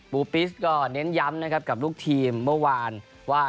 ปูปิสก็เน้นย้ำนะครับกับลูกทีมเมื่อวานว่า